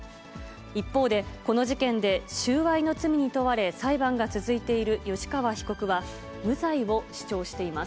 一方で、この事件で収賄の罪に問われ、裁判が続いている吉川被告は、無罪を主張しています。